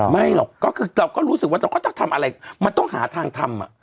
ไม่หรอกเราก็รู้สึกว่าเราก็จะทำอะไรมันต้องหาทางทำอะ